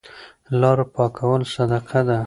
لاره پاکول صدقه ده.